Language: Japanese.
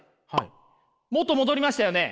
元戻りましたよね？